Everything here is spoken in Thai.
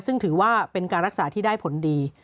ซึ่งถือว่าเป็นการรักษาที่ได้ผลดี